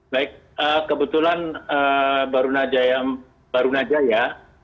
baik kebetulan baru najaya